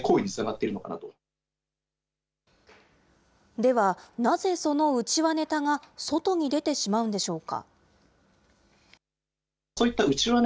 では、なぜその内輪ネタが、外に出てしまうのでしょうか。